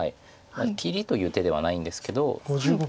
切りという手ではないんですけど。